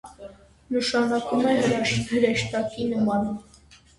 Նշանակում է «հրեշտակի նման»։